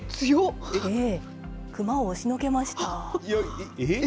熊を押しのけました。え？